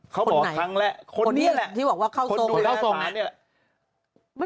เขาบอกครั้งแหละคนที่ดูแลสารนี้แหละ